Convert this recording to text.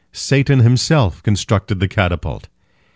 Satan himself constructed the catapult.